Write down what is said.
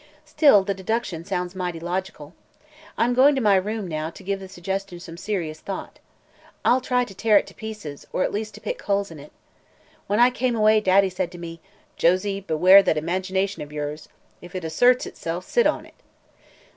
Still, the deduction sounds mighty logical. I'm going to my room, now, to give the suggestion some serious thought. I'll try to tear it to pieces, or at least to pick holes in it. When I came away Daddy said to me: 'Josie, beware that imagination of yours. If it asserts itself, sit on it.'